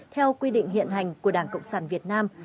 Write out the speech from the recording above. theo quy định hiện hành của đảng cộng sản việt nam